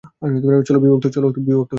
চলো বিভক্ত হয়ে যাই।